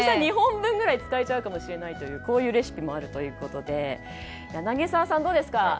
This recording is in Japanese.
２本分ぐらい使うかもしれないこういうレシピもあるということで柳澤さん、どうですか？